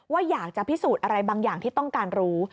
อยากจะพิสูจน์อะไรบางอย่างที่ต้องการรู้